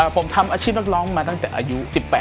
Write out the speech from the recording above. ผมทำอาชีพนักร้องมาตั้งแต่อายุ๑๘